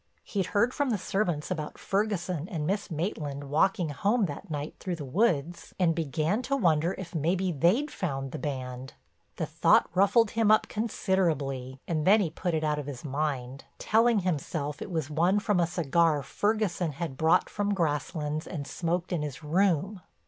He'd heard from the servants about Ferguson and Miss Maitland walking home that night through the woods and began to wonder if maybe they'd found the band. The thought ruffled him up considerably, and then he put it out of his mind, telling himself it was one from a cigar Ferguson had brought from Grasslands and smoked in his room.